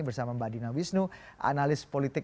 bersama mbak dina wisnu analis politik